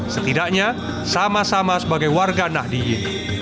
setidaknya sama sama sebagai warga nahdiyin